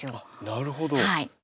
なるほど！